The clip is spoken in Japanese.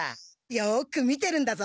よく見てるんだぞ。